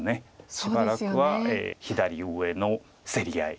しばらくは左上の競り合い。